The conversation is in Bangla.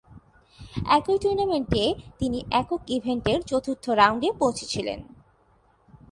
একই টুর্নামেন্টে, তিনি একক ইভেন্টের চতুর্থ রাউন্ডে পৌঁছে ছিলেন।